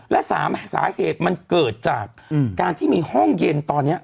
และ๓สาเหตุมันเกิดจากการที่มีห้องเย็นตอนนี้